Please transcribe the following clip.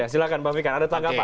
silahkan pak fikar ada tanggapan